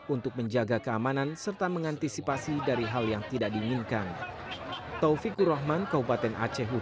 untuk menjaga keamanan serta mengantisipasi dari hal yang tidak diinginkan